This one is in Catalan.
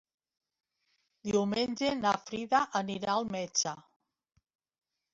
Diumenge na Frida anirà al metge.